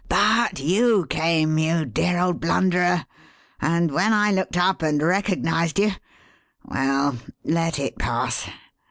But you came, you dear old blunderer; and when I looked up and recognized you well, let it pass!